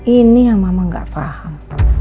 ini yang mama gak faham